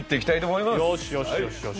よしよしよしよし。